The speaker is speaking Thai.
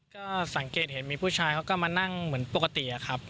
ก็สังเกตเห็นมีผู้ชายเขาก็มานั่งเหมือนปกติอะครับ